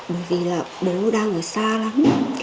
bởi vì là bố đang ở xa lắm